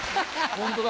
ホントだ。